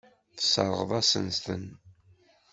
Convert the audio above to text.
Tesseṛɣeḍ-asen-ten.